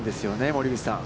森口さん。